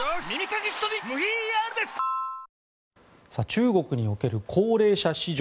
中国における高齢者市場